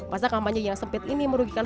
masa kampanye yang sempit ini merugikan